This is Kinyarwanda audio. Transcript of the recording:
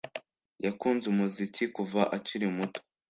yakunze umuziki kuva akiri muto